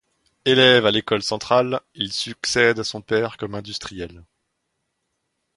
Élève à l'École centrale, il succède à son père comme industriel.